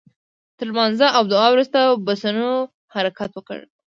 تر لمانځه او دعا وروسته بسونو حرکت وکړ.